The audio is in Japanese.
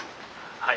はい。